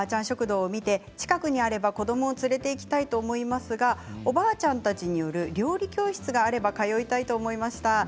食堂を見て近くにあれば子どもを連れていきたいと思いますがおばあちゃんたちによる料理教室があれば通いたいと思いました。